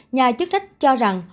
nhà chức trách cho rằng